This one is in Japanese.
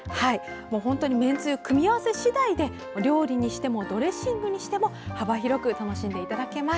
めんつゆ組み合わせ次第で料理にしてもドレッシングにしても幅広く楽しんでいただけます。